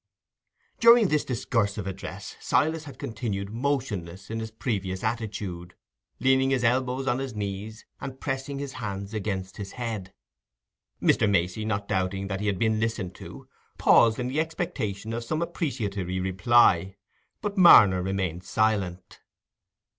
During this discursive address Silas had continued motionless in his previous attitude, leaning his elbows on his knees, and pressing his hands against his head. Mr. Macey, not doubting that he had been listened to, paused, in the expectation of some appreciatory reply, but Marner remained silent.